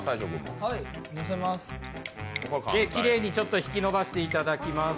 きれいに引き伸ばしていただきます。